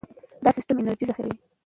دا سیستم انرژي ذخیره کوي.